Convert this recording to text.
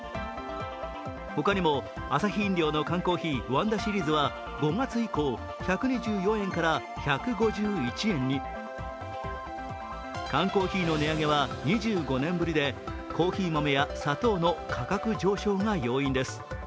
他にもアサヒ飲料の缶コーヒー、ワンダシリーズは５月以降、１２４円から１５１円に。缶コーヒーの値上げは２５年ぶりでコーヒー豆や砂糖の価格上昇が要因です。